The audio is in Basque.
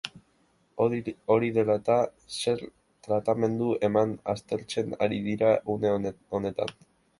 Hori dela eta, zer tratamendu eman aztertzen ari dira une honetan.